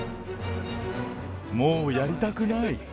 もうやりたくない。